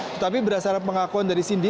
tetapi berdasarkan pengakuan dari cindy